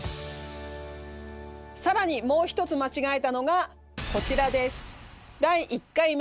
更にもう一つ間違えたのがこちらです。